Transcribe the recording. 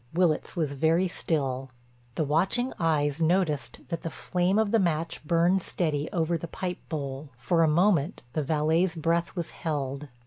Willitts was very still. The watching eyes noticed that the flame of the match burned steady over the pipe bowl; for a moment the valet's breath was held.